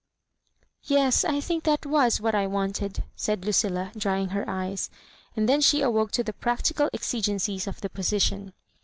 "Yes, I think that was what I wanted," said Lucilla, drying her eyes; and then she awoke to the practical exigencies of the position.